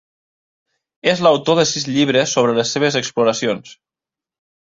És l'autor de sis llibres sobre les seves exploracions.